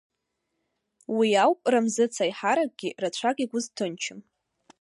Уи ауп Рамзыц аиҳаракгьы рацәак игәы зҭынчым…